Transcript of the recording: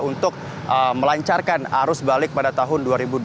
untuk melancarkan arus balik pada tahun dua ribu dua puluh